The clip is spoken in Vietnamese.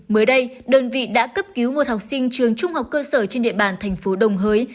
mới đây đơn vị đã cấp cứu một học sinh trường trung học cơ sở trên địa bàn thành phố đồng hới